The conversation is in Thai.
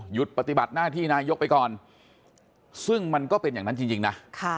ปฏิบัติหน้าที่นายกไปก่อนซึ่งมันก็เป็นอย่างนั้นจริงนะ